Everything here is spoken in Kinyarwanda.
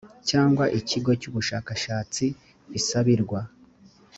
cyangwa ikigo cy ubushakashatsi bisabirwa